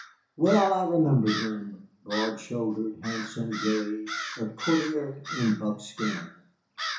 Well I remembered him, broad shouldered, handsome, gay, a courtier in buckskin.